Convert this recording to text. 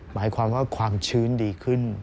หมายความว่าความชื้นดีขึ้น